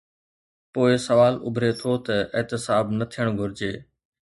پوءِ سوال اڀري ٿو ته: احتساب نه ٿيڻ گهرجي؟